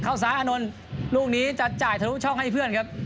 ซ้ายอานนท์ลูกนี้จะจ่ายทะลุช่องให้เพื่อนครับ